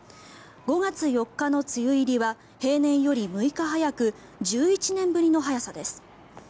５月４日の梅雨入りは平年より６日早く１１年ぶりの早さです。